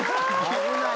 危ない。